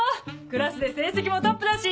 クラスで成績もトップだし